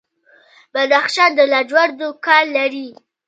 بدخشان د لاجوردو کان لري